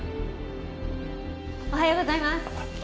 おはようございます。